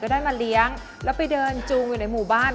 ได้มาเลี้ยงแล้วไปเดินจูงอยู่ในหมู่บ้าน